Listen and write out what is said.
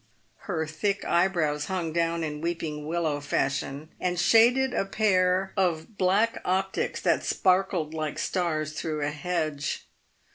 Her thick eyebrows hung down in weeping willow fashion, and shaded a pair of black optics that sparkled like stars through a hedge.